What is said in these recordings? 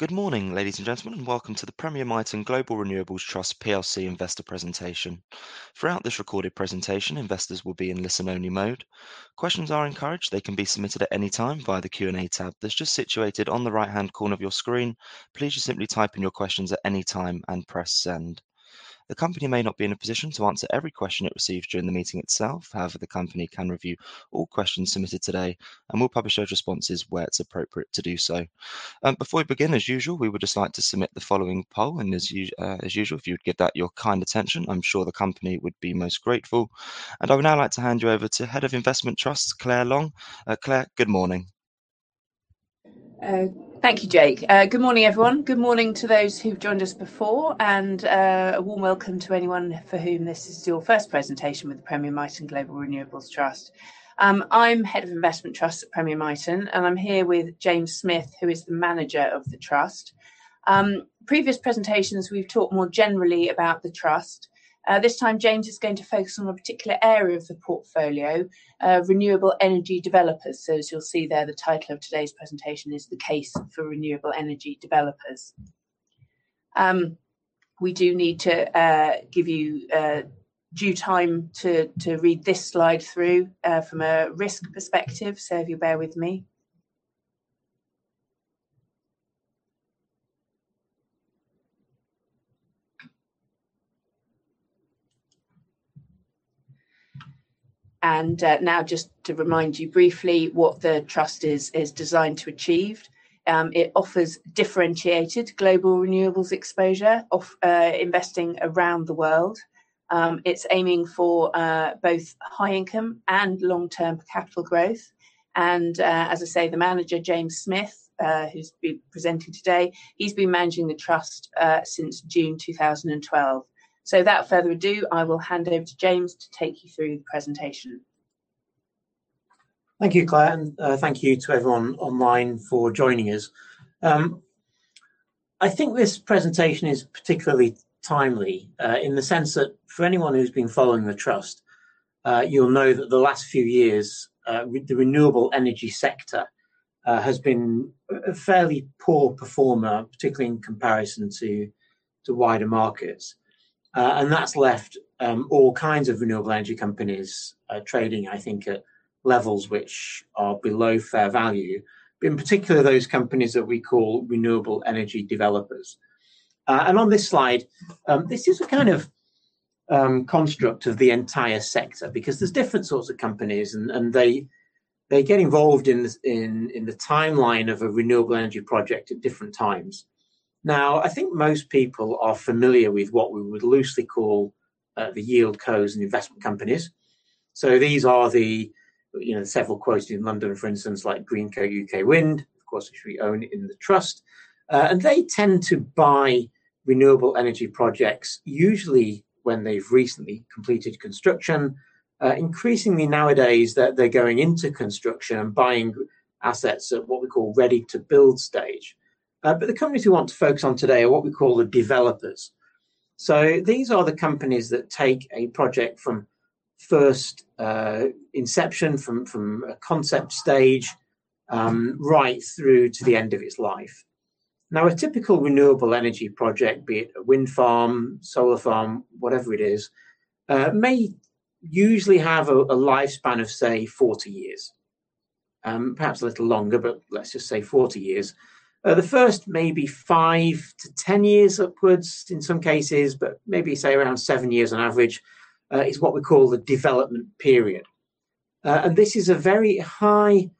Good morning, ladies and gentlemen, and welcome to the Premier Miton Global Renewables Trust plc investor presentation. Throughout this recorded presentation, investors will be in listen only mode. Questions are encouraged. They can be submitted at any time via the Q&A tab that's just situated on the right-hand corner of your screen. Please just simply type in your questions at any time and press Send. The company may not be in a position to answer every question it receives during the meeting itself. However, the company can review all questions submitted today and will publish those responses where it's appropriate to do so. Before we begin, as usual, we would just like to submit the following poll, and as usual, if you would give that your kind attention, I'm sure the company would be most grateful. I would now like to hand you over to Head of Investment Trusts, Claire Long. Claire, good morning. Thank you, Jake. Good morning, everyone. Good morning to those who've joined us before, and a warm welcome to anyone for whom this is your first presentation with the Premier Miton Global Renewables Trust. I'm Head of Investment Trusts at Premier Miton, and I'm here with James Smith, who is the Manager of the trust. Previous presentations, we've talked more generally about the trust. This time James is going to focus on a particular area of the portfolio, renewable energy developers. As you'll see there, the title of today's presentation is The Case for Renewable Energy Developers. We do need to give you due time to read this slide through from a risk perspective. If you bear with me. Now just to remind you briefly what the trust is designed to achieve. It offers differentiated global renewables exposure of investing around the world. It's aiming for both high income and long-term capital growth and, as I say, the manager, James Smith, who's presenting today, he's been managing the trust since June 2012. Without further ado, I will hand over to James to take you through the presentation. Thank you, Claire, and thank you to everyone online for joining us. I think this presentation is particularly timely in the sense that for anyone who's been following the trust, you'll know that the last few years the renewable energy sector has been a fairly poor performer, particularly in comparison to wider markets. That's left all kinds of renewable energy companies trading, I think, at levels which are below fair value, but in particular, those companies that we call renewable energy developers. On this slide this is a kind of construct of the entire sector because there's different sorts of companies and they get involved in this in the timeline of a renewable energy project at different times. Now, I think most people are familiar with what we would loosely call the YieldCos and investment companies. These are the, you know, several quoted in London, for instance, like Greencoat UK Wind, of course, which we own in the trust. They tend to buy renewable energy projects usually when they've recently completed construction. Increasingly nowadays, they're going into construction and buying assets at what we call ready-to-build stage. The companies we want to focus on today are what we call the developers. These are the companies that take a project from first inception, from a concept stage, right through to the end of its life. Now, a typical renewable energy project, be it a wind farm, solar farm, whatever it is, may usually have a lifespan of, say, 40 years, perhaps a little longer, but let's just say 40 years. The first may be five to 10 years upwards in some cases, but maybe say around seven years on average, is what we call the development period. This is a very high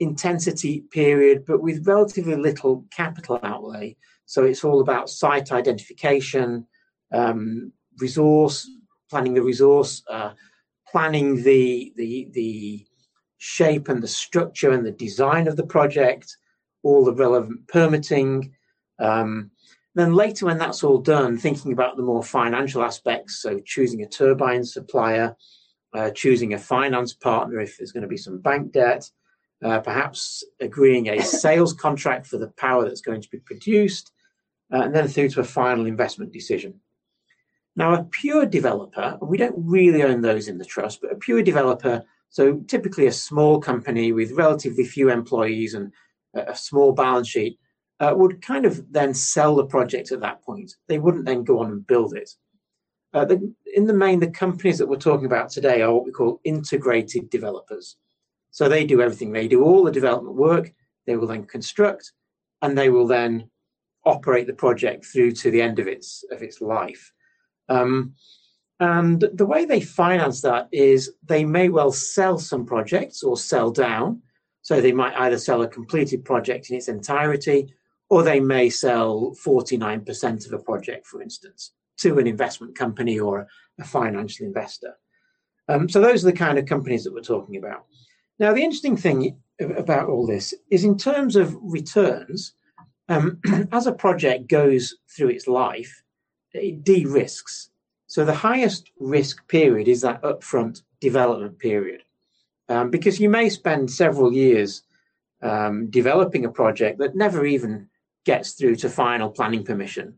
intensity period, but with relatively little capital outlay. It's all about site identification, planning the resource, planning the shape and the structure and the design of the project, all the relevant permitting. Later when that's all done, thinking about the more financial aspects, so choosing a turbine supplier, choosing a finance partner if there's gonna be some bank debt, perhaps agreeing a sales contract for the power that's going to be produced, and then through to a final investment decision. Now a pure developer, and we don't really own those in the trust, but a pure developer, so typically a small company with relatively few employees and a small balance sheet, would kind of then sell the project at that point. They wouldn't then go on and build it. In the main, the companies that we're talking about today are what we call integrated developers. They do everything. They do all the development work, they will then construct, and they will then operate the project through to the end of its life. The way they finance that is they may well sell some projects or sell down. They might either sell a completed project in its entirety, or they may sell 49% of a project, for instance, to an investment company or a financial investor. Those are the kind of companies that we're talking about. Now, the interesting thing about all this is in terms of returns, as a project goes through its life, it de-risks. The highest risk period is that upfront development period, because you may spend several years developing a project that never even gets through to final planning permission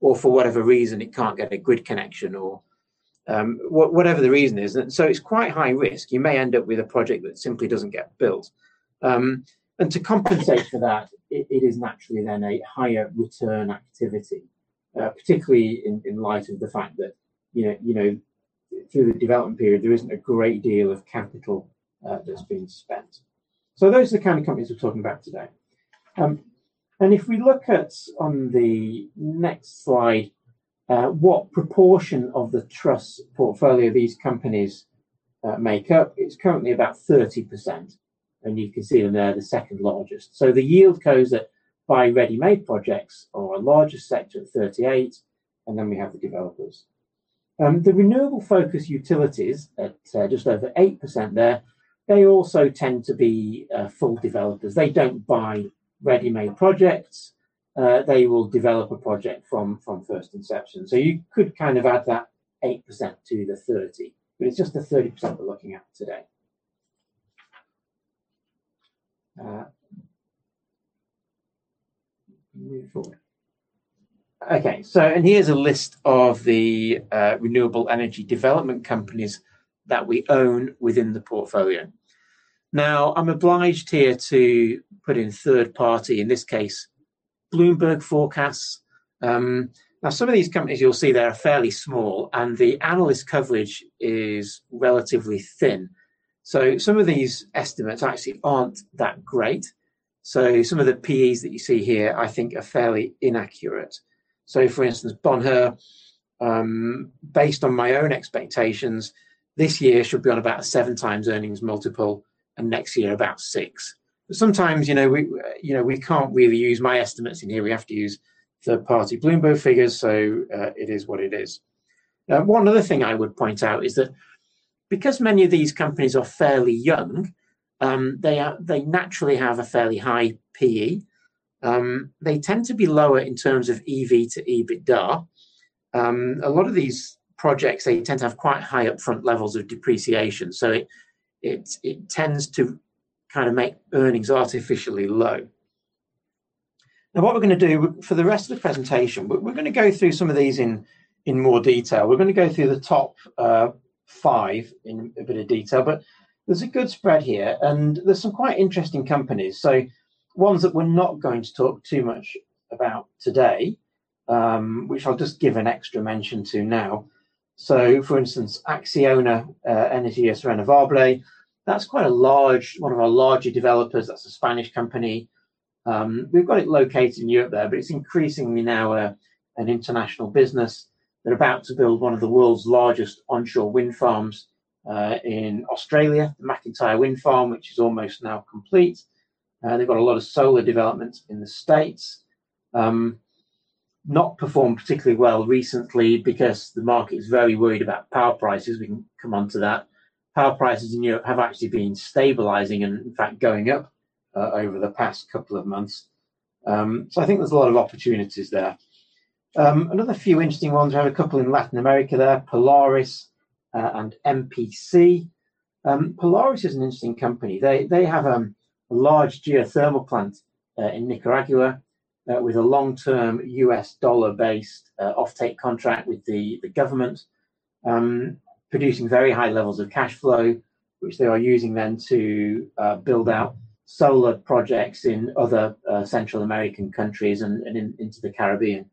or for whatever reason it can't get a grid connection or whatever the reason is. It's quite high risk. You may end up with a project that simply doesn't get built. To compensate for that, it is naturally then a higher return activity, particularly in light of the fact that, you know, you know, through the development period, there isn't a great deal of capital that's been spent. Those are the kind of companies we're talking about today. If we look at, on the next slide, what proportion of the trust portfolio these companies make up, it's currently about 30%, and you can see them there, the second largest. The YieldCos that buy ready-made projects are a larger sector at 38%, and then we have the developers. The renewable-focused utilities at just over 8% there, they also tend to be full developers. They don't buy ready-made projects. They will develop a project from first inception. You could kind of add that 8% to the 30%, but it's just the 30% we're looking at today. Move forward. Okay. Here's a list of the renewable energy development companies that we own within the portfolio. Now, I'm obliged here to put in third-party, in this case Bloomberg forecasts. Now some of these companies you'll see they are fairly small, and the analyst coverage is relatively thin. Some of these estimates actually aren't that great. Some of the PEs that you see here, I think are fairly inaccurate. For instance, Bonheur, based on my own expectations, this year should be on about a 7x earnings multiple and next year about 6x. Sometimes, you know, we can't really use my estimates in here, we have to use third party Bloomberg figures. It is what it is. Now, one other thing I would point out is that because many of these companies are fairly young, they naturally have a fairly high PE. They tend to be lower in terms of EV to EBITDA. A lot of these projects, they tend to have quite high upfront levels of depreciation. It tends to kind of make earnings artificially low. Now, what we're gonna do for the rest of the presentation, we're gonna go through some of these in more detail. We're gonna go through the top five in a bit of detail, but there's a good spread here and there's some quite interesting companies. Ones that we're not going to talk too much about today, which I'll just give an extra mention to now. For instance, Acciona Energía, that's quite a large one of our larger developers. That's a Spanish company. We've got it located in Europe there, but it's increasingly now an international business. They're about to build one of the world's largest onshore wind farms in Australia, the MacIntyre Wind Farm, which is almost now complete. They've got a lot of solar developments in the States not performed particularly well recently because the market is very worried about power prices. We can come on to that. Power prices in Europe have actually been stabilizing and in fact going up over the past couple of months. I think there's a lot of opportunities there. Another few interesting ones. We have a couple in Latin America there, Polaris and MPC. Polaris is an interesting company. They have a large geothermal plant in Nicaragua with a long-term US dollar-based offtake contract with the government, producing very high levels of cash flow, which they are using then to build out solar projects in other Central American countries and into the Caribbean.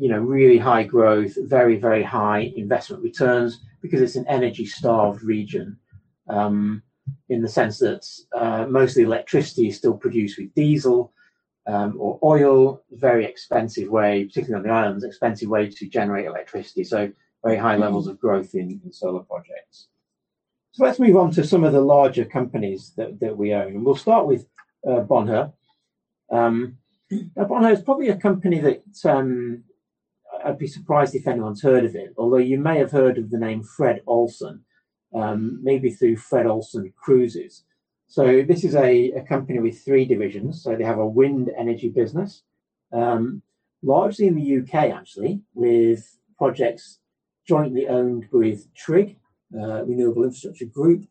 You know, really high growth, very high investment returns because it's an energy-starved region in the sense that most of the electricity is still produced with diesel or oil. Very expensive way, particularly on the islands, to generate electricity, very high levels of growth in solar projects. Let's move on to some of the larger companies that we own. We'll start with Bonheur. Now Bonheur is probably a company that I'd be surprised if anyone's heard of it, although you may have heard of the name Fred. Olsen, maybe through Fred. Olsen Cruise Lines. This is a company with three divisions. They have a wind energy business, largely in the U.K. actually, with projects jointly owned with TRIG, The Renewables Infrastructure Group,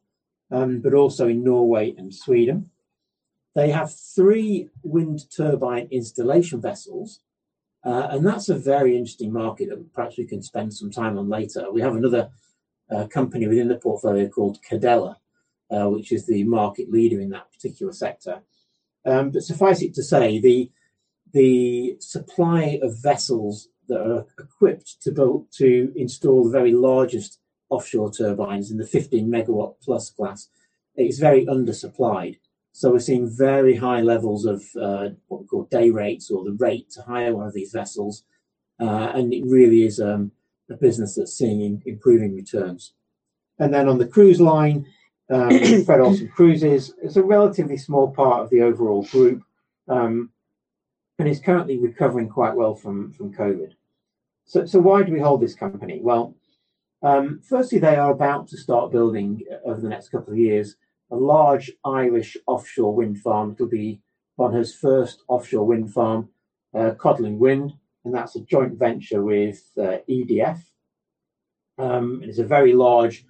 but also in Norway and Sweden. They have three wind turbine installation vessels. And that's a very interesting market that perhaps we can spend some time on later. We have another company within the portfolio called Cadeler, which is the market leader in that particular sector. But suffice it to say, the supply of vessels that are equipped to install the very largest offshore turbines in the 15 MW plus class is very undersupplied. We're seeing very high levels of what we call day rates or the rate to hire one of these vessels. It really is a business that's seeing improving returns. On the cruise line, Olsen Cruise Lines is a relatively small part of the overall group, and is currently recovering quite well from COVID. Why do we hold this company? Well, firstly, they are about to start building over the next couple of years a large Irish offshore wind farm. It'll be Bonheur's first offshore wind farm, Codling Wind, and that's a joint venture with EDF. It's a very large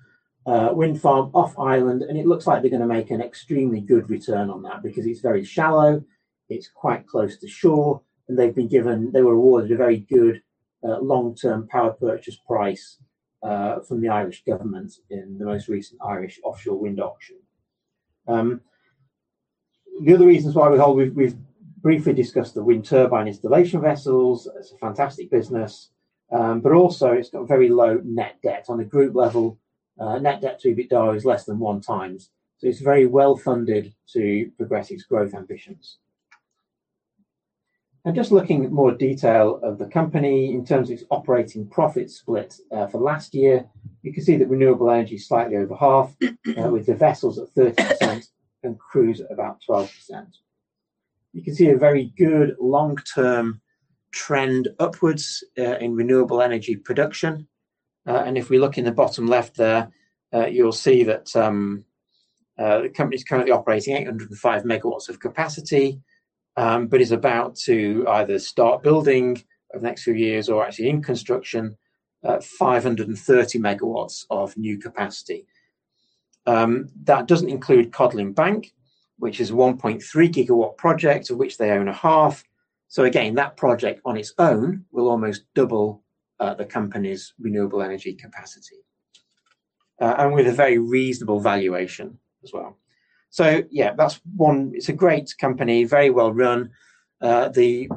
wind farm off Ireland, and it looks like they're gonna make an extremely good return on that because it's very shallow, it's quite close to shore, and they've been given... They were awarded a very good, long-term power purchase price, from the Irish government in the most recent Irish offshore wind auction. The other reasons why we hold, we've briefly discussed the wind turbine installation vessels. It's a fantastic business, but also it's got very low net debt. On a group level, net debt to EBITDA is less than 1x. It's very well-funded to progress its growth ambitions. Now just looking at more detail of the company in terms of its operating profit split, for last year, you can see that renewable energy is slightly over half, with the vessels at 13% and crews at about 12%. You can see a very good long-term trend upwards, in renewable energy production. If we look in the bottom left there, you'll see that the company's currently operating 805 MW of capacity, but is about to either start building over the next few years or actually in construction 530 MW of new capacity. That doesn't include Codling Bank, which is a 1.3 GW project, of which they own a half. Again, that project on its own will almost double the company's renewable energy capacity. With a very reasonable valuation as well. Yeah, that's one. It's a great company, very well-run. The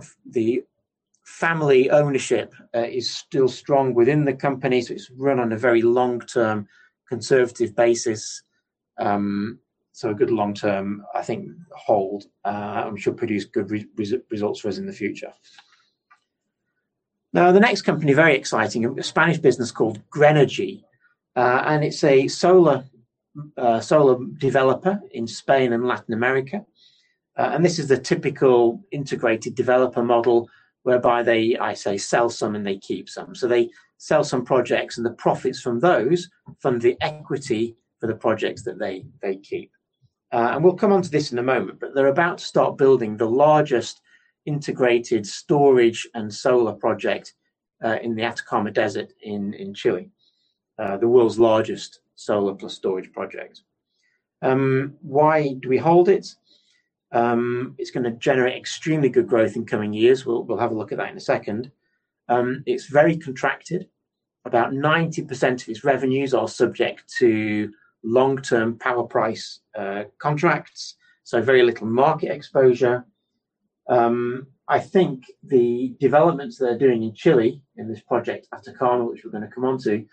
family ownership is still strong within the company, so it's run on a very long-term conservative basis. A good long-term, I think, hold. I'm sure will produce good results for us in the future. Now the next company, very exciting, a Spanish business called Grenergy. It's a solar developer in Spain and Latin America. This is the typical integrated developer model whereby they, I say, sell some and they keep some. They sell some projects and the profits from those fund the equity for the projects that they keep. We'll come onto this in a moment, but they're about to start building the largest integrated storage and solar project in the Atacama Desert in Chile. The world's largest solar plus storage project. Why do we hold it? It's gonna generate extremely good growth in coming years. We'll have a look at that in a second. It's very contracted. About 90% of its revenues are subject to long-term power price contracts, so very little market exposure. I think the developments they're doing in Chile in this project, Atacama, which we're gonna come onto,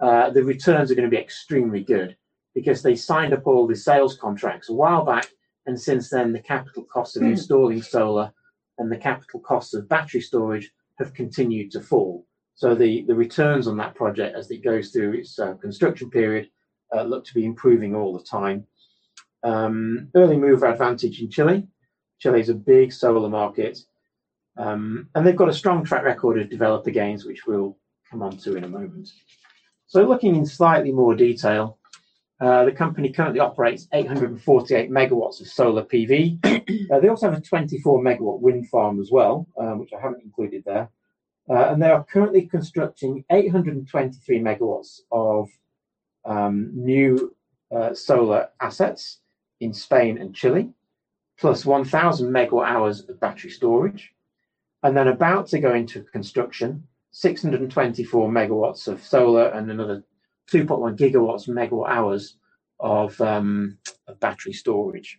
the returns are gonna be extremely good because they signed up all the sales contracts a while back, and since then the capital cost of installing solar and the capital cost of battery storage have continued to fall. The returns on that project as it goes through its construction period look to be improving all the time. Early mover advantage in Chile. Chile is a big solar market, and they've got a strong track record of developer gains, which we'll come onto in a moment. Looking in slightly more detail, the company currently operates 848 MW of solar PV. They also have a 24-MW wind farm as well, which I haven't included there. They are currently constructing 823 MW of new solar assets in Spain and Chile, +1,000 MWh of battery storage. Then about to go into construction, 624 MW of solar and another 2.1 gigawatt-hours of battery storage.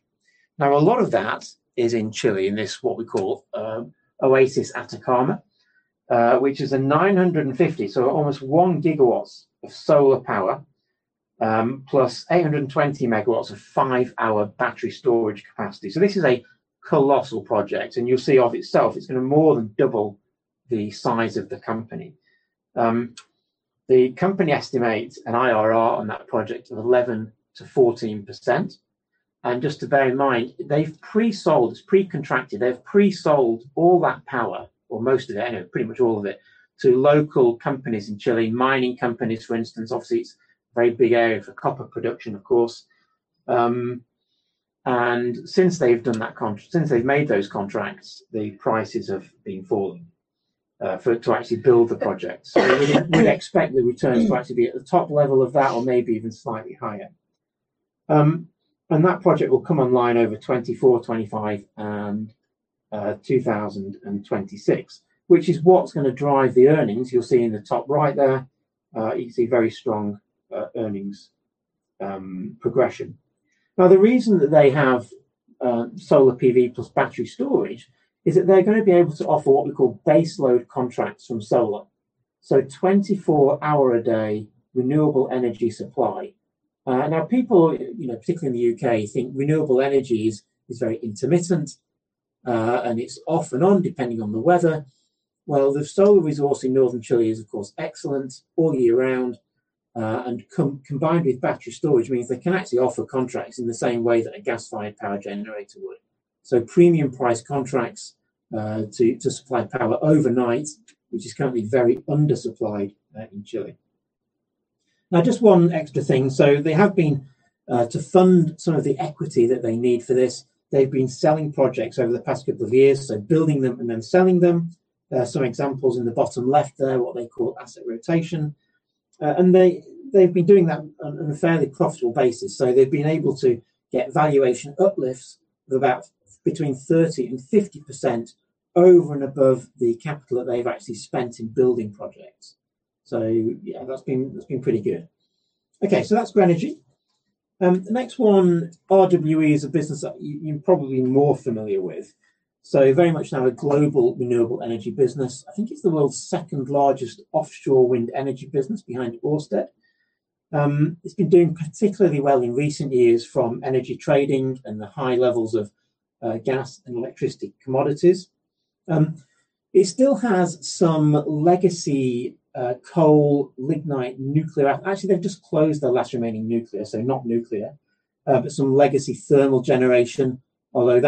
A lot of that is in Chile in this what we call Oasis de Atacama, which is 950, so almost 1 GW of solar power, +820 MW of five-hour battery storage capacity. This is a colossal project and you'll see of itself it's gonna more than double the size of the company. The company estimates an IRR on that project of 11%-14% and just to bear in mind, they've pre-sold all that power or most of it, anyway, pretty much all of it, to local companies in Chile, mining companies for instance. Obviously it's a very big area for copper production of course. Since they've made those contracts, the prices have been falling to actually build the project. We'd expect the returns to actually be at the top level of that or maybe even slightly higher. That project will come online over 2024, 2025 and 2026, which is what's gonna drive the earnings. You'll see in the top right there, you can see very strong earnings progression. Now the reason that they have solar PV plus battery storage is that they're gonna be able to offer what we call baseload contracts from solar, 24-hour a day renewable energy supply. Now people, you know, particularly in the U.K. think renewable energy is very intermittent, and it's off and on depending on the weather. Well, the solar resource in northern Chile is of course excellent all year round, and combined with battery storage means they can actually offer contracts in the same way that a gas-fired power generator would. Premium price contracts to supply power overnight, which is currently very undersupplied in Chile. Now just one extra thing. They have been to fund some of the equity that they need for this, they've been selling projects over the past couple of years, building them and then selling them. Some examples in the bottom left there, what they call asset rotation. They've been doing that on a fairly profitable basis. They've been able to get valuation uplifts of about between 30% and 50% over and above the capital that they've actually spent in building projects. Yeah, that's been pretty good. Okay, that's Grenergy. The next one, RWE, is a business that you're probably more familiar with. Very much now a global renewable energy business. I think it's the world's second-largest offshore wind energy business behind Ørsted. It's been doing particularly well in recent years from energy trading and the high levels of gas and electricity commodities. It still has some legacy coal, lignite, nuclear. Actually, they've just closed their last remaining nuclear, so not nuclear. Some legacy thermal generation, although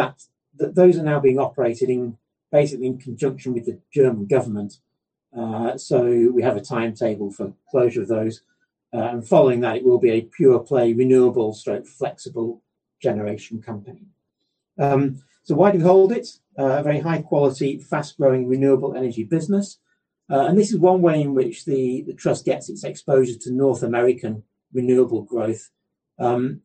those are now being operated, basically in conjunction with the German government. We have a timetable for closure of those. Following that, it will be a pure-play renewable/flexible generation company. Why do we hold it? A very high-quality, fast-growing renewable energy business. This is one way in which the trust gets its exposure to North American renewable growth. I think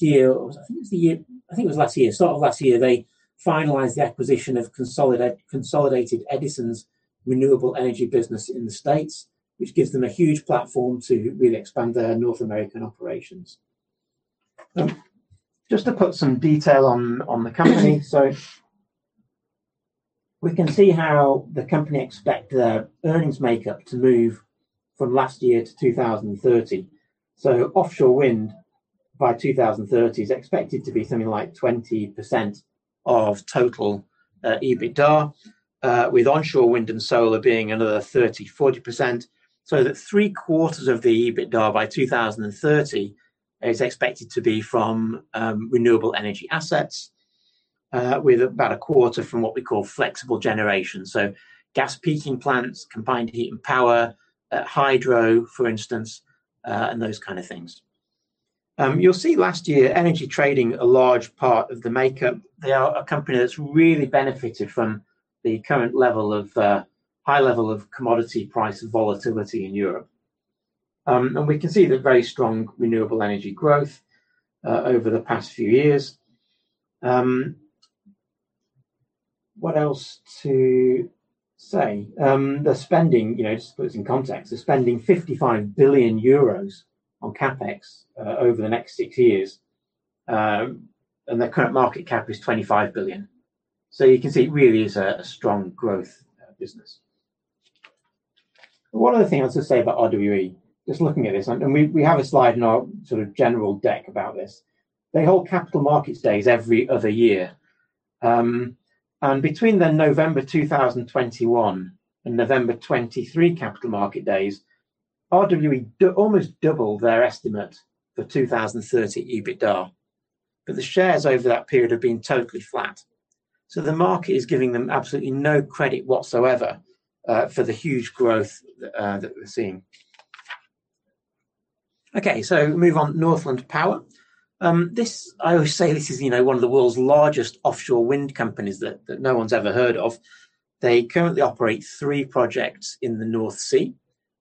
it was last year. Sort of last year, they finalized the acquisition of Consolidated Edison's renewable energy business in the States, which gives them a huge platform to really expand their North American operations. Just to put some detail on the company. We can see how the company expect their earnings makeup to move from last year to 2030. Offshore wind, by 2030, is expected to be something like 20% of total EBITDA, with onshore wind and solar being another 30%-40%, so that three-quarters of the EBITDA by 2030 is expected to be from renewable energy assets, with about a quarter from what we call flexible generation. Gas peaking plants, combined heat and power, hydro, for instance, and those kind of things. You'll see last year, energy trading a large part of the makeup. They are a company that's really benefited from the current level of high level of commodity price volatility in Europe. We can see the very strong renewable energy growth over the past few years. What else to say? They're spending, you know, just to put this in context, they're spending 55 billion euros on CapEx over the next six years. Their current market cap is 25 billion. You can see it really is a strong growth business. One of the things I want to say about RWE, just looking at this, and we have a slide in our sort of general deck about this. They hold capital markets days every other year. Between the November 2021 and November 2023 capital market days, RWE almost doubled their estimate for 2030 EBITDA. The shares over that period have been totally flat. The market is giving them absolutely no credit whatsoever for the huge growth that we're seeing. Okay, move on to Northland Power. This, I always say this is, you know, one of the world's largest offshore wind companies that no one's ever heard of. They currently operate three projects in the North Sea,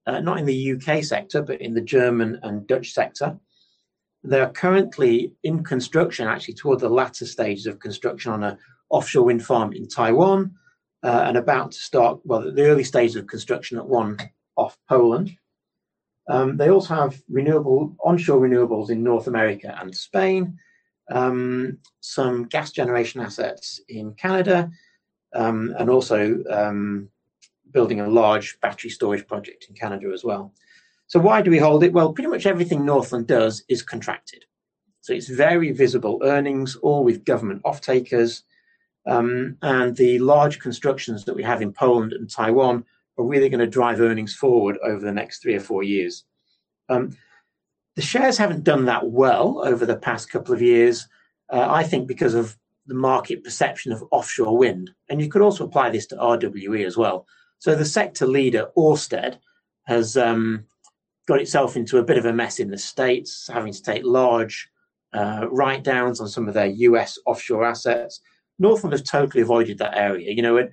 not in the U.K. sector, but in the German and Dutch sector. They are currently in construction, actually toward the latter stages of construction, on an offshore wind farm in Taiwan, and about to start the early stages of construction at one off Poland. They also have onshore renewables in North America and Spain, some gas generation assets in Canada, and also building a large battery storage project in Canada as well. Why do we hold it? Well, pretty much everything Northland does is contracted. It's very visible earnings, all with government off-takers. The large constructions that we have in Poland and Taiwan are really gonna drive earnings forward over the next three or four years. The shares haven't done that well over the past couple of years, I think because of the market perception of offshore wind. You could also apply this to RWE as well. The sector leader, Ørsted, has got itself into a bit of a mess in the States, having to take large write-downs on some of their U.S. offshore assets. Northland Power has totally avoided that area. You know,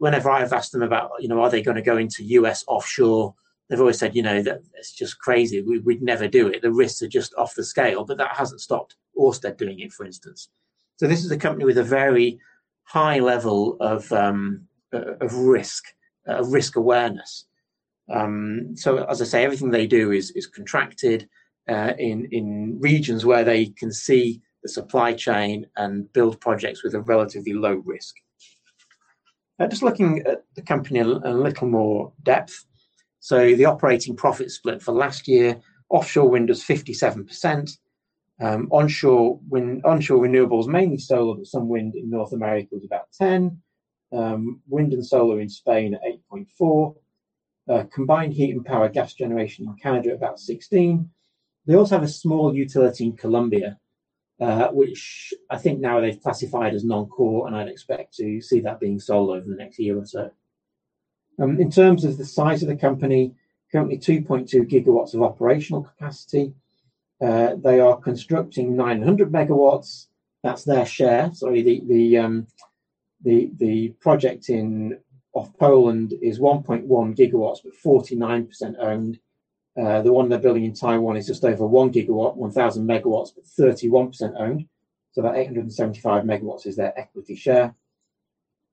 whenever I've asked them about, you know, are they gonna go into U.S. offshore, they've always said, you know, that it's just crazy. We'd never do it. The risks are just off the scale. That hasn't stopped Ørsted doing it, for instance. This is a company with a very high level of risk awareness. As I say, everything they do is contracted in regions where they can see the supply chain and build projects with a relatively low risk. Just looking at the company in a little more depth. The operating profit split for last year, offshore wind was 57%. Onshore renewables, mainly solar, but some wind in North America, was about 10%. Wind and solar in Spain, 8.4%. Combined heat and power gas generation in Canada, about 16. They also have a small utility in Colombia, which I think now they've classified as non-core, and I'd expect to see that being sold over the next year or so. In terms of the size of the company, currently 2.2 GW of operational capacity. They are constructing 900 MW. That's their share. The project in Poland is 1.1 GW, but 49% owned. The one they're building in Taiwan is just over 1 GW, 1000 MW, but 31% owned. So about 875 MW is their equity share.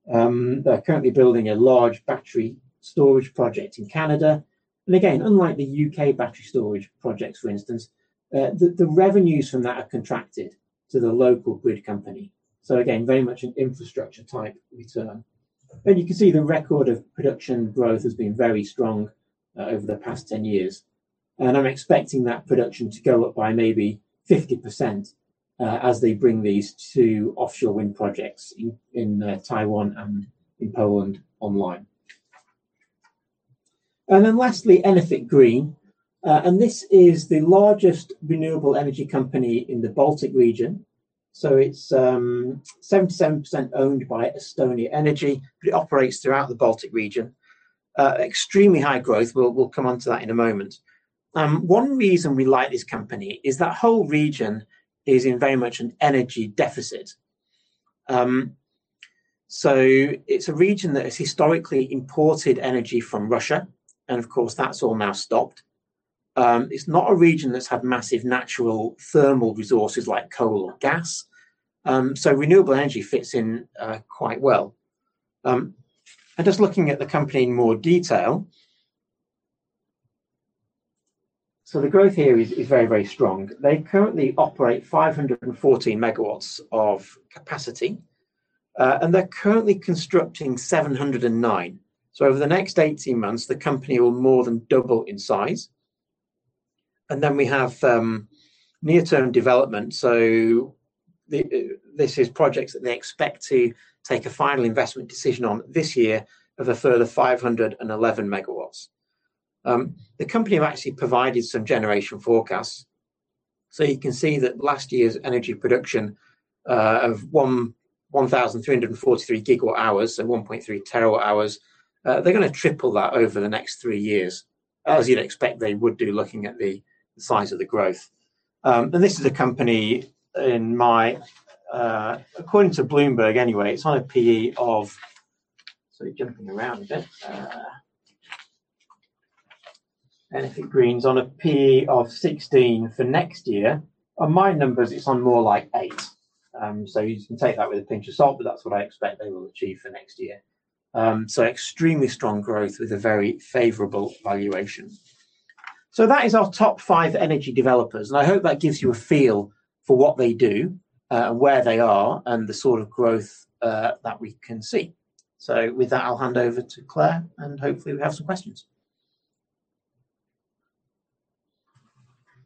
They're currently building a large battery storage project in Canada. Again, unlike the U.K. battery storage projects, for instance, the revenues from that are contracted to the local grid company. Again, very much an infrastructure-type return. You can see the record of production growth has been very strong over the past 10 years. I'm expecting that production to go up by maybe 50%, as they bring these two offshore wind projects in Taiwan and in Poland online. Then lastly, Enefit Green. This is the largest renewable energy company in the Baltic region. It's 77% owned by Eesti Energia, but it operates throughout the Baltic region. Extremely high growth. We'll come onto that in a moment. One reason we like this company is that whole region is in very much an energy deficit. It's a region that has historically imported energy from Russia, and of course, that's all now stopped. It's not a region that's had massive natural thermal resources like coal or gas, so renewable energy fits in quite well. Just looking at the company in more detail. The growth here is very strong. They currently operate 514 MW of capacity, and they're currently constructing 709. Over the next 18 months, the company will more than double in size. We have near-term development. This is projects that they expect to take a final investment decision on this year of a further 511 MW. The company have actually provided some generation forecasts. You can see that last year's energy production of 1,343 GWh, so 1.3 TWh. They're gonna triple that over the next three years, as you'd expect they would do looking at the size of the growth. This is a company in my, according to Bloomberg anyway. Sorry, jumping around a bit. Enefit Green's on a P/E of 16 for next year. On my numbers, it's on more like eight. You can take that with a pinch of salt, but that's what I expect they will achieve for next year. Extremely strong growth with a very favorable valuation. That is our top five energy developers, and I hope that gives you a feel for what they do, and where they are and the sort of growth that we can see. With that, I'll hand over to Claire, and hopefully we have some questions.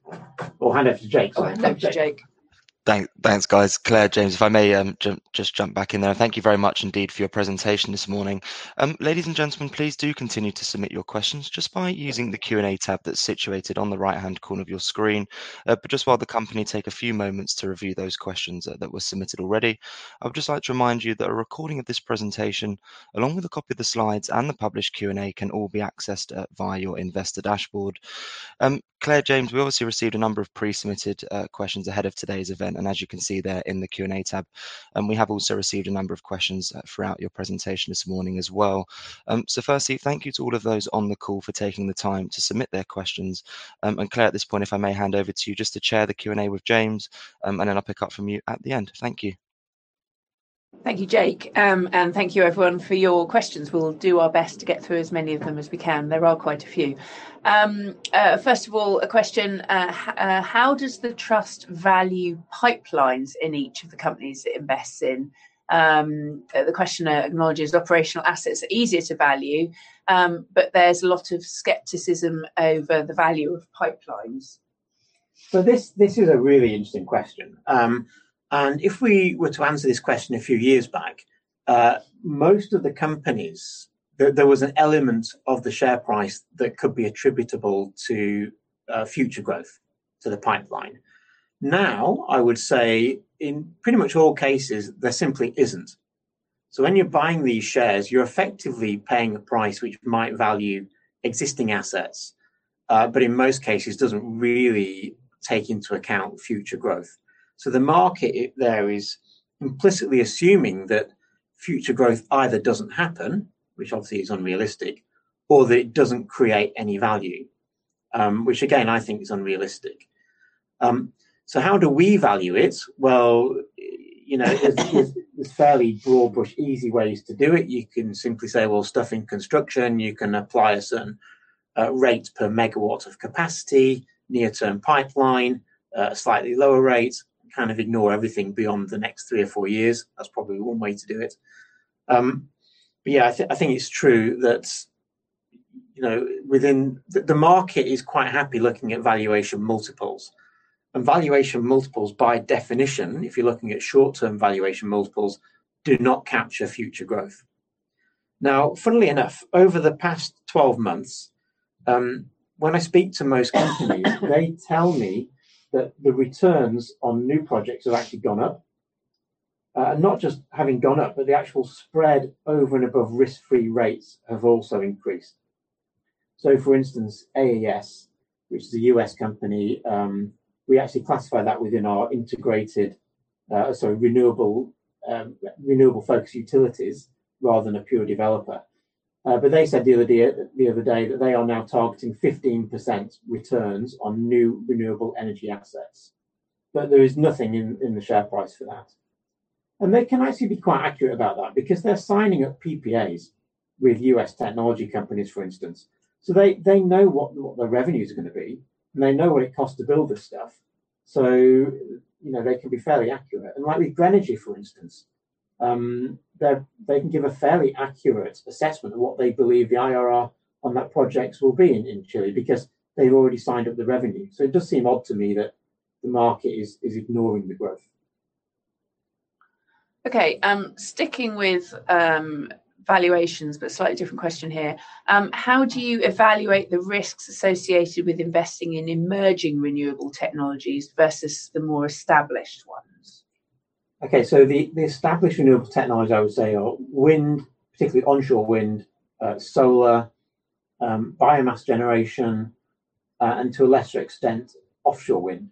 Hand over to Jake, sorry. Over to Jake. Thanks, guys. Claire, James, if I may, just jump back in there. Thank you very much indeed for your presentation this morning. Ladies and gentlemen, please do continue to submit your questions just by using the Q&A tab that's situated on the right-hand corner of your screen. Just while the company take a few moments to review those questions that were submitted already, I would just like to remind you that a recording of this presentation, along with a copy of the slides and the published Q&A, can all be accessed via your investor dashboard. Claire, James, we obviously received a number of pre-submitted questions ahead of today's event, and as you can see, they're in the Q&A tab. We have also received a number of questions throughout your presentation this morning as well. Firstly, thank you to all of those on the call for taking the time to submit their questions. Claire, at this point, if I may hand over to you just to chair the Q&A with James, and then I'll pick up from you at the end. Thank you. Thank you, Jake. Thank you everyone for your questions. We'll do our best to get through as many of them as we can. There are quite a few. First of all, a question, how does the trust value pipelines in each of the companies it invests in? The questioner acknowledges operational assets are easier to value, but there's a lot of skepticism over the value of pipelines. This is a really interesting question. If we were to answer this question a few years back, most of the companies, there was an element of the share price that could be attributable to future growth to the pipeline. Now, I would say in pretty much all cases, there simply isn't. When you're buying these shares, you're effectively paying the price which might value existing assets, but in most cases doesn't really take into account future growth. The market there is implicitly assuming that future growth either doesn't happen, which obviously is unrealistic, or that it doesn't create any value, which again, I think is unrealistic. How do we value it? Well, you know, there's fairly broad brush, easy ways to do it. You can simply say, well, stuff in construction, you can apply a certain rate per megawatt of capacity. Near term pipeline, slightly lower rate, kind of ignore everything beyond the next three or four years. That's probably one way to do it. But yeah, I think it's true that, you know, within the market is quite happy looking at valuation multiples. Valuation multiples, by definition, if you're looking at short-term valuation multiples, do not capture future growth. Now, funnily enough, over the past 12 months, when I speak to most companies they tell me that the returns on new projects have actually gone up. Not just having gone up, but the actual spread over and above risk-free rates have also increased. For instance, AES, which is a U.S. company, we actually classify that within our integrated renewable focus utilities rather than a pure developer. But they said the other day that they are now targeting 15% returns on new renewable energy assets, but there is nothing in the share price for that. They can actually be quite accurate about that because they're signing up PPAs with U.S. technology companies, for instance. They know what the revenues are gonna be, and they know what it costs to build this stuff. You know, they can be fairly accurate. Like with Grenergy, for instance, they can give a fairly accurate assessment of what they believe the IRR on that project will be in Chile because they've already signed up the revenue. It does seem odd to me that the market is ignoring the growth. Okay. Sticking with valuations, but slightly different question here. How do you evaluate the risks associated with investing in emerging renewable technologies versus the more established ones? Okay. The established renewable technology, I would say are wind, particularly onshore wind, solar, biomass generation, and to a lesser extent, offshore wind.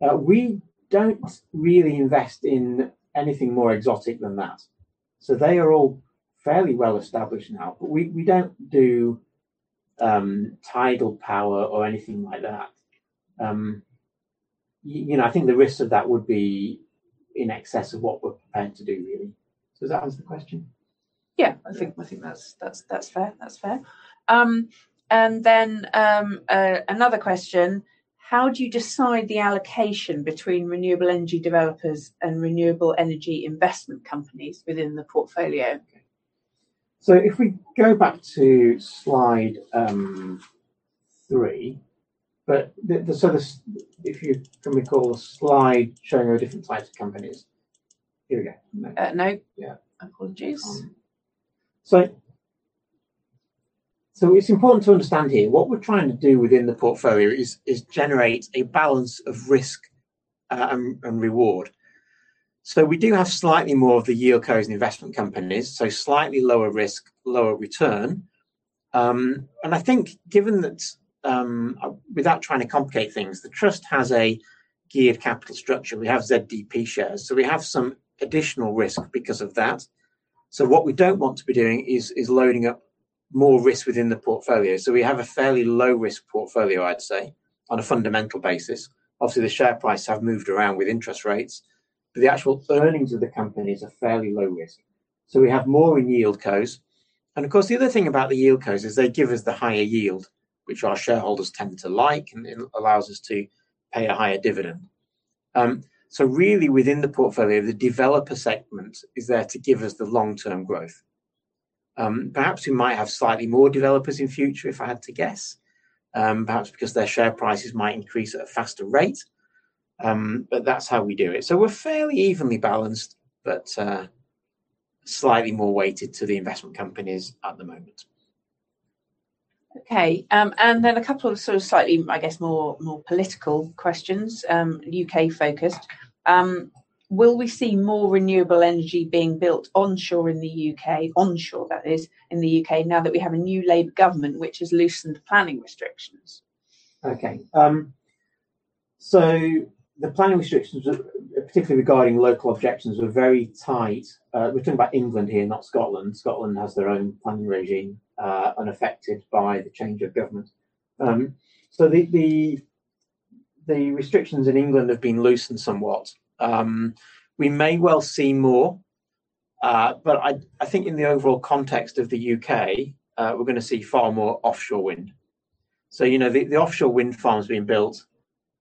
We don't really invest in anything more exotic than that. They are all fairly well established now. We don't do tidal power or anything like that. You know, I think the risks of that would be in excess of what we're prepared to do really. Does that answer the question? Yeah. Yeah. I think that's fair. Another question. How do you decide the allocation between renewable energy developers and renewable energy investment companies within the portfolio? If we go back to slide 3. If you can recall a slide showing our different types of companies. Here we go. No. Yeah. Apologies. It's important to understand here what we're trying to do within the portfolio is generate a balance of risk and reward. We do have slightly more of the YieldCos and investment companies, so slightly lower risk, lower return. I think given that, without trying to complicate things, the trust has a geared capital structure. We have ZDP shares, so we have some additional risk because of that. What we don't want to be doing is loading up more risk within the portfolio. We have a fairly low risk portfolio, I'd say, on a fundamental basis. Obviously, the share price have moved around with interest rates, but the actual earnings of the company is a fairly low risk. We have more in YieldCos. Of course, the other thing about the YieldCos is they give us the higher yield, which our shareholders tend to like, and it allows us to pay a higher dividend. Really within the portfolio, the developer segment is there to give us the long-term growth. Perhaps we might have slightly more developers in future, if I had to guess. Perhaps because their share prices might increase at a faster rate. That's how we do it. We're fairly evenly balanced, but slightly more weighted to the investment companies at the moment. Okay. A couple of sort of slightly, I guess, more political questions, U.K. focused. Will we see more renewable energy being built onshore in the U.K., onshore that is in the U.K., now that we have a new Labour government which has loosened the planning restrictions? Okay. The planning restrictions, particularly regarding local objections, were very tight. We're talking about England here, not Scotland. Scotland has their own planning regime, unaffected by the change of government. The restrictions in England have been loosened somewhat. We may well see more, but I think in the overall context of the U.K., we're gonna see far more offshore wind. You know, the offshore wind farms being built,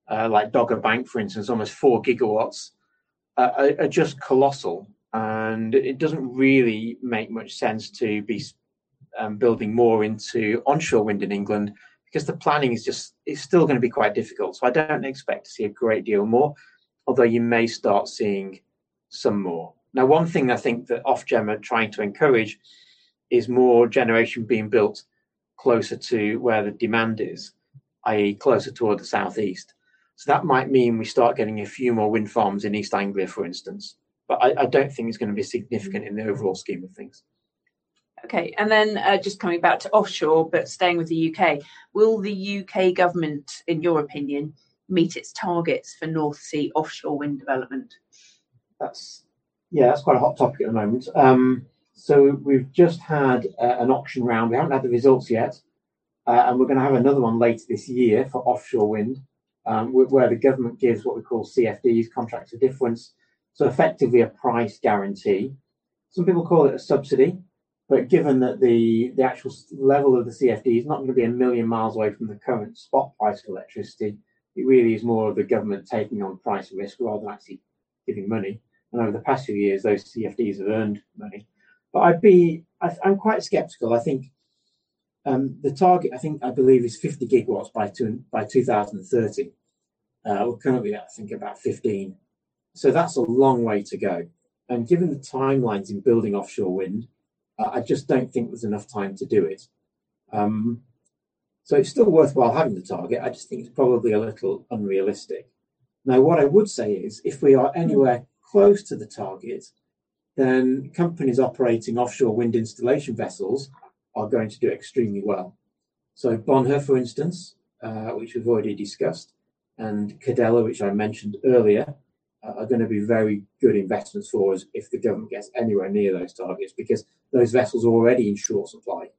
like Dogger Bank, for instance, almost 4 GW, are just colossal. It doesn't really make much sense to be building more into onshore wind in England because the planning is just, it's still gonna be quite difficult. I don't expect to see a great deal more, although you may start seeing some more. Now, one thing I think that Ofgem are trying to encourage is more generation being built closer to where the demand is, i.e. closer toward the southeast. That might mean we start getting a few more wind farms in East Anglia, for instance. I don't think it's gonna be significant in the overall scheme of things. Okay. Just coming back to offshore, but staying with the U.K. Will the U.K. government, in your opinion, meet its targets for North Sea offshore wind development? That's yeah, that's quite a hot topic at the moment. So we've just had an auction round. We haven't had the results yet. We're gonna have another one later this year for offshore wind, where the government gives what we call CFDs, contracts for difference, so effectively a price guarantee. Some people call it a subsidy, but given that the actual strike level of the CFD is not gonna be a million miles away from the current spot price of electricity, it really is more of the government taking on price risk rather than actually giving money. Over the past few years, those CFDs have earned money. I'm quite skeptical. I think the target, I think, I believe is 50 GW by 2030. We're currently at, I think, about 15 GW. That's a long way to go, and given the timelines in building offshore wind, I just don't think there's enough time to do it. It's still worthwhile having the target. I just think it's probably a little unrealistic. Now, what I would say is if we are anywhere close to the target, then companies operating offshore wind installation vessels are going to do extremely well. Bonheur, for instance, which we've already discussed, and Cadeler, which I mentioned earlier, are gonna be very good investments for us if the government gets anywhere near those targets because those vessels are already in short supply.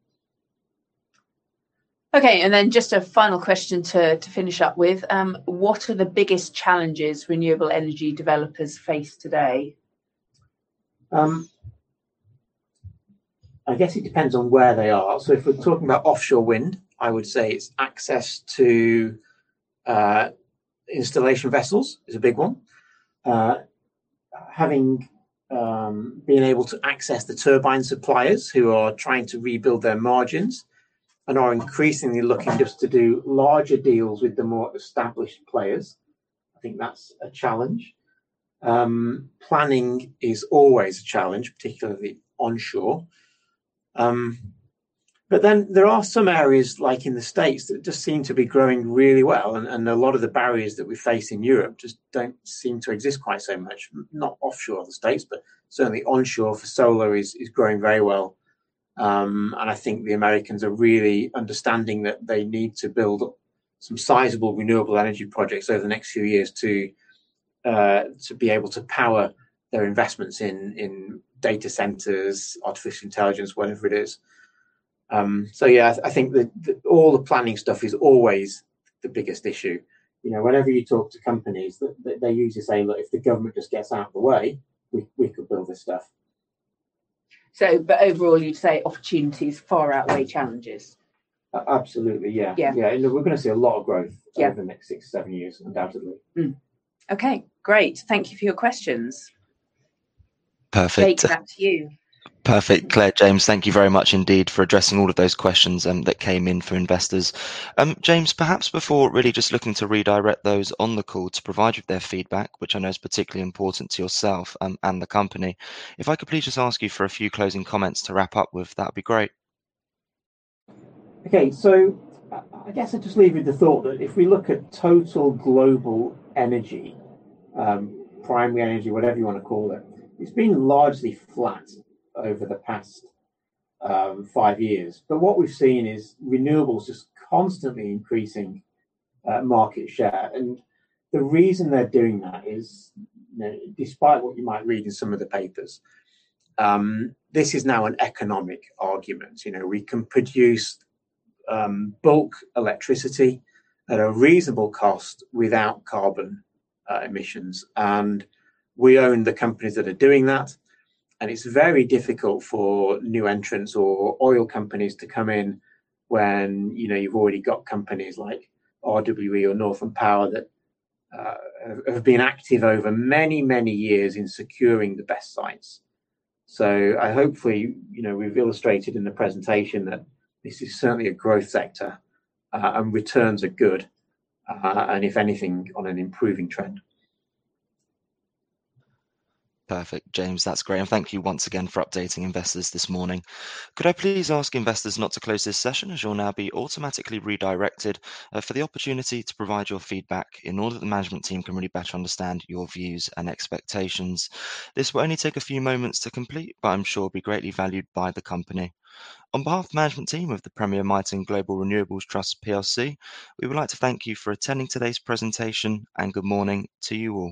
Okay, just a final question to finish up with. What are the biggest challenges renewable energy developers face today? I guess it depends on where they are. If we're talking about offshore wind, I would say it's access to installation vessels is a big one. Being able to access the turbine suppliers who are trying to rebuild their margins and are increasingly looking just to do larger deals with the more established players. I think that's a challenge. Planning is always a challenge, particularly onshore. There are some areas, like in the States, that just seem to be growing really well and a lot of the barriers that we face in Europe just don't seem to exist quite so much, not offshore in the States, but certainly onshore for solar is growing very well. I think the Americans are really understanding that they need to build some sizable renewable energy projects over the next few years to be able to power their investments in data centers, artificial intelligence, whatever it is. Yeah, I think all the planning stuff is always the biggest issue. You know, whenever you talk to companies, they usually say, "Look, if the government just gets out of the way, we could build this stuff. Overall, you'd say opportunities far outweigh challenges? Absolutely, yeah. Yeah. Yeah. Look, we're gonna see a lot of growth. Yeah over the next six, seven years, undoubtedly. Okay, great. Thank you for your questions. Perfect. Jake, back to you. Perfect. Claire, James, thank you very much indeed for addressing all of those questions that came in for investors. James, perhaps before really just looking to redirect those on the call to provide you with their feedback, which I know is particularly important to yourself and the company, if I could please just ask you for a few closing comments to wrap up with, that'd be great. Okay. I guess I'd just leave you with the thought that if we look at total global energy, primary energy, whatever you wanna call it's been largely flat over the past five years. What we've seen is renewables just constantly increasing market share. The reason they're doing that is, now despite what you might read in some of the papers, this is now an economic argument. You know, we can produce bulk electricity at a reasonable cost without carbon emissions, and we own the companies that are doing that. It's very difficult for new entrants or oil companies to come in when, you know, you've already got companies like RWE or Northland Power that have been active over many, many years in securing the best sites. Hopefully, you know, we've illustrated in the presentation that this is certainly a growth sector, and returns are good, and if anything, on an improving trend. Perfect, James. That's great. Thank you once again for updating investors this morning. Could I please ask investors not to close this session, as you'll now be automatically redirected for the opportunity to provide your feedback in order that the management team can really better understand your views and expectations. This will only take a few moments to complete, but I'm sure it'll be greatly valued by the company. On behalf of the management team of the Premier Miton Global Renewables Trust plc, we would like to thank you for attending today's presentation, and good morning to you all.